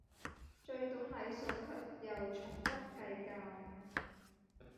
最懂禮數卻又從不計較